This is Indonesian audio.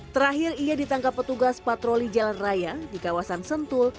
terakhir ia ditangkap petugas patroli jalan raya di kawasan sentul